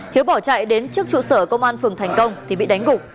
hiếu bỏ chạy đến trước trụ sở công an phường thành công thì bị đánh gục